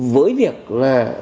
với việc là